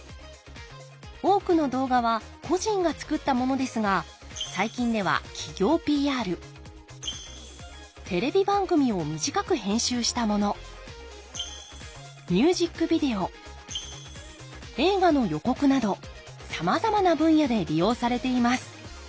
多くの動画は個人が作ったものですが最近では企業ＰＲテレビ番組を短く編集したものミュージックビデオ映画の予告などさまざまな分野で利用されています。